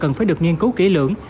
cần phải được nghiên cứu kỹ lưỡng